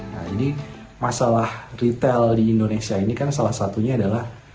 nah jadi masalah retail di indonesia ini kan salah satunya adalah